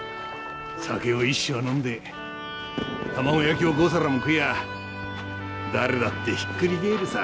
酒を１升飲んで卵焼きを５皿も食いや誰だってひっくり返るさ。